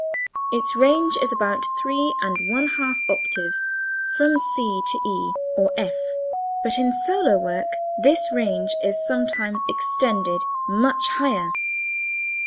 Its range is about three and one half octaves (from C to e'' or f''), but in solo work this range is sometimes extended much higher.